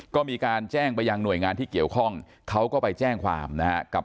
ก็มีการแจ้งไปยังหน่วยงานที่เกี่ยวข้องเขาก็ไปแจ้งความนะฮะกับ